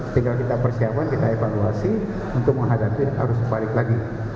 tinggal kita persiapkan kita evaluasi untuk menghadapi harus kembali lagi